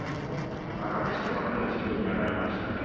若くして幕内上位に上がりました。